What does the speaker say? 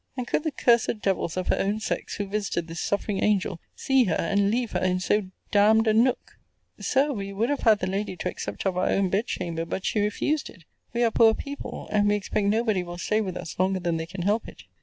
and could the cursed devils of her own sex, who visited this suffering angel, see her, and leave her, in so d d a nook? Sir, we would have had the lady to accept of our own bed chamber: but she refused it. We are poor people and we expect nobody will stay with us longer than they can help it.